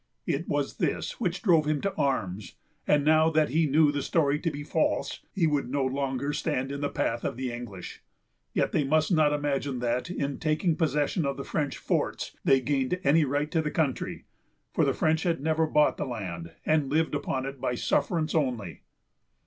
It was this which drove him to arms; and now that he knew the story to be false, he would no longer stand in the path of the English. Yet they must not imagine that, in taking possession of the French forts, they gained any right to the country; for the French had never bought the land, and lived upon it by sufferance only.